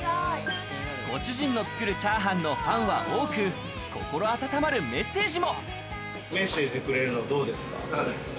ご主人の作るチャーハンのファンは多く、心温まるメッセージも。